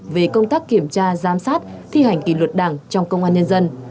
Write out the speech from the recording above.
về công tác kiểm tra giám sát thi hành kỷ luật đảng trong công an nhân dân